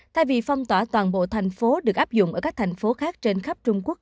thay vì phong tỏa toàn bộ thành phố được áp dụng ở các thành phố khác trên khắp trung quốc